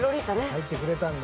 入ってくれたんだ。